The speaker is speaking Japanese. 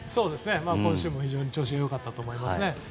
今週も非常に調子が良かったと思います。